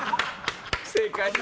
正解。